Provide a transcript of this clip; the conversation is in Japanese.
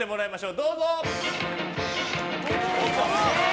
どうぞ。